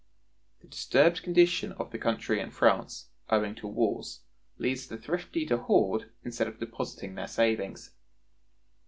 The disturbed condition of the country in France, owing to wars, leads the thrifty to hoard instead of depositing their savings.